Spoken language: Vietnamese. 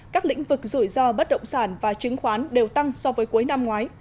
các lĩnh vực rủi ro bất động sản và chứng khoán đều tăng so với cuối năm ngoái